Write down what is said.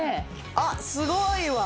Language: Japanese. あっすごいわ。